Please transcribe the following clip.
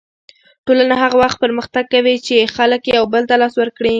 ټولنه هغه وخت پرمختګ کوي چې خلک یو بل ته لاس ورکړي.